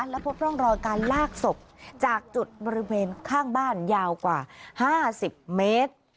และพบร่องรอยการลากศพจากจุดบริเวณข้างบ้านยาวกว่า๕๐เมตร